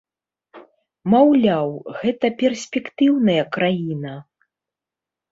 Маўляў, гэта перспектыўная краіна.